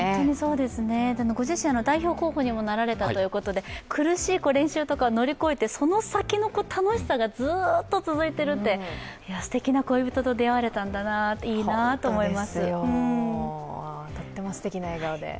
でもご自身、代表候補にもなられたということで苦しさを乗り越えて、その先の楽しさがずーっと続いてるってすてきな恋人と出会われたんだなってとってもすてきな笑顔で。